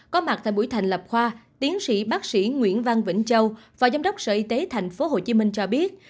có mặt tại buổi thành lập khoa tiến sĩ bác sĩ nguyễn văn vĩnh châu phó giám đốc sở y tế tp hcm cho biết